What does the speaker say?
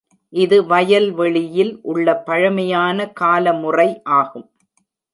இது வயல்வெளியில் உள்ள பழமையான காலமுறை ஆகும்.